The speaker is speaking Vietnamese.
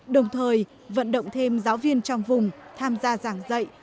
đồng thời vận động thêm giáo viên trong vùng tham gia giảng dạy